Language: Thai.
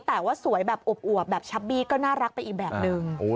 แต่ว่าสวยแบบอวบแบบชับบี้ก็น่ารักไปอีกแบบนึง